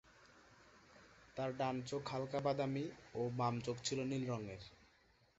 তার ডান চোখ হালকা বাদামি ও বাম চোখ ছিল নীল রঙের।